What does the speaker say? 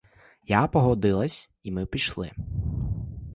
Я погодилась — і ми пішли.